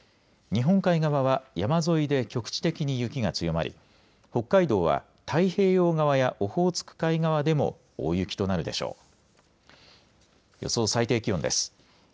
日本海側は山沿いで局地的に雪が強まり北海道は太平洋側やオホーツク海側でも大雪となるでしょう。